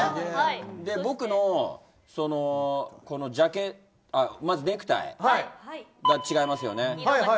僕のネクタイが違いますよね。